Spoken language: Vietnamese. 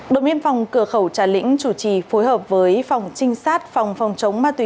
đội miên phòng cửa khẩu trà lĩnh chủ trì phối hợp với phòng trinh sát phòng phòng chống ma túy